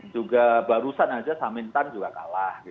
juga barusan saja samintan juga kalah